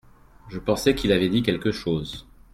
Je pensais qu'il avait dit quelque chose.